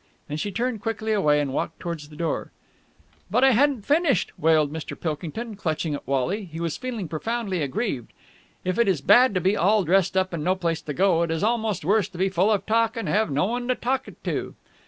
And she turned quickly away, and walked towards the door. "But I hadn't finished!" wailed Mr. Pilkington, clutching at Wally. He was feeling profoundly aggrieved. If it is bad to be all dressed up and no place to go, it is almost worse to be full of talk and to have no one to talk it to.